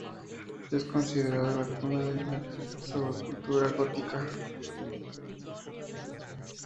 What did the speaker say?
Es considerada la cuna de la subcultura gótica.